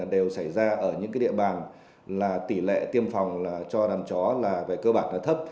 đều xảy ra ở những địa bàn tỷ lệ tiêm phòng cho đàn chó về cơ bản thấp